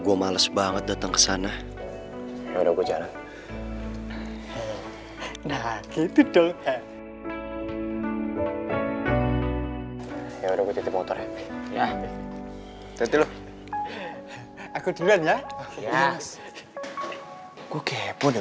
gua males banget dateng kesana udah porko cara kita udah